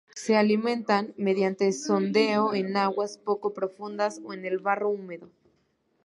Se alimentan mediante sondeo en aguas poco profundas o en el barro húmedo.